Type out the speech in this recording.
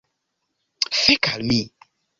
Fek' al mi!